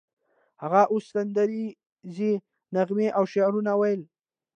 هغه اوس سندریزې نغمې او شعرونه ویل